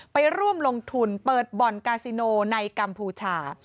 ไปร่วมลงทุนเปิดบ่อนกาซิโนในกัมพูชา